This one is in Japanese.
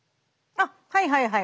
あっはいはいはい。